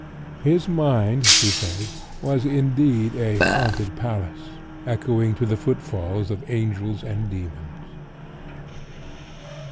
His mind, she says, was indeed a "Haunted Palace," echoing to the footfalls of angels and demons.